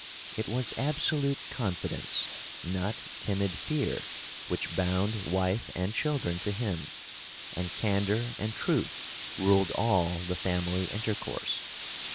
It was absolute confidence, not timid fear, which bound wife and children to him, and candour and truth ruled all the family intercourse.